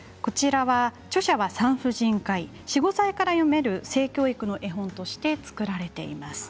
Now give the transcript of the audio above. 著者は産婦人科医４、５歳から読める性教育の絵本として作られています。